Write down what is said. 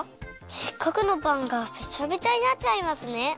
せっかくのパンがベチャベチャになっちゃいますね。